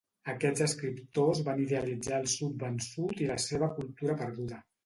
Aquests escriptors van idealitzar el Sud vençut i la seva cultura perduda.